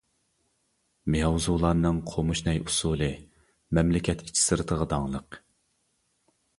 مياۋزۇلارنىڭ قومۇش نەي ئۇسسۇلى مەملىكەت ئىچى-سىرتىغا داڭلىق.